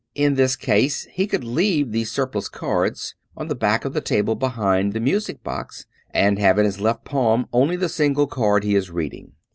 In this case he could leave the sur plus cards on the back of the table behind the music box, and have in his left palm only the single card he is reading.